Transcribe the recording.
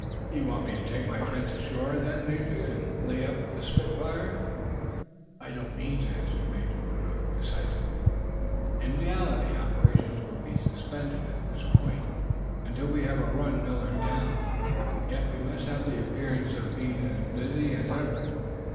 "You want me to take my friends ashore, then, Major, and lay the 'Spitfire' up?" "By no means," answered Major Woodruff, decisively. "In reality operations will be suspended at this point until we have run Millard down. Yet we must have the appearance of being as busy as ever.